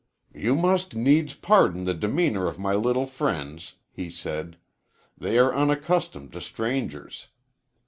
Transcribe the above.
"You must needs pardon the demeanor of my little friends," he said. "They are unaccustomed to strangers."